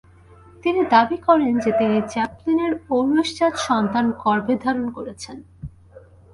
তিনি দাবী করেন যে তিনি চ্যাপলিনের ঔরসজাত সন্তান গর্ভে ধারণ করেছেন।